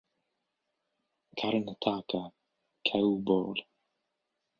Karnataka; Kew Bull.